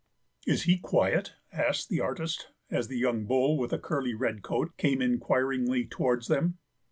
"Is he quiet?" asked the artist, as a young bull with a curly red coat came inquiringly towards them.